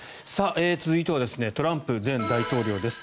続いてはトランプ前大統領です。